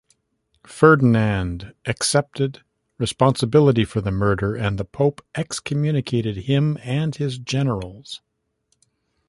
Ferdinand accepted responsibility for the murder, and the pope excommunicated him and his generals.